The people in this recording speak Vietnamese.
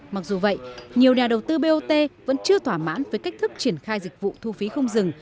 mặc dù vậy nhiều nhà đầu tư bot vẫn chưa thỏa mãn với cách thức triển khai dịch vụ thu phí không dừng